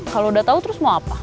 kalau udah tahu terus mau apa